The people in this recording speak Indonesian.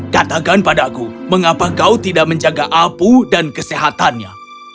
katakan padaku mengapa kau tidak menjaga apu dan kesehatannya